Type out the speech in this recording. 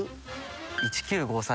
「１９５３